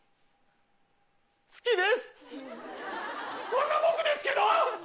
こんな僕ですけど！